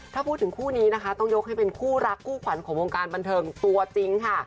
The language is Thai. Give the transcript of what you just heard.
ถ้าพูดถึงคู่นี้นะคะต้องยกให้เป็นคู่รักคู่ขวัญของวงการบันเทิงตัวจริงค่ะ